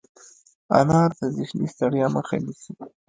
انار د ذهني ستړیا مخه نیسي.